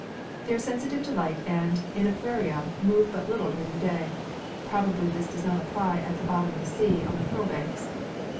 They are sensitive to light and, in aquaria, move but little during the day. Probably this does not apply at the bottom of the sea on the pearl banks.